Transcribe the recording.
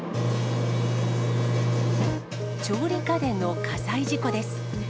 調理家電の火災事故です。